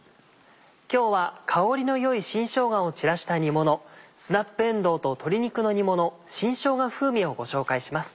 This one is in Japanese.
今日は香りの良い新しょうがを散らした煮もの「スナップえんどうと鶏肉の煮もの新しょうが風味」をご紹介します。